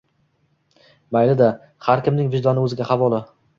Mayli-da, har kimning vijdoni o‘ziga havola